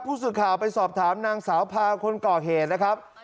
ผู้สื่อข่าวไปสอบถามนางสาวพาคนก่อเหตุนะครับ